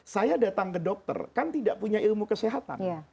saya datang ke dokter kan tidak punya ilmu kesehatan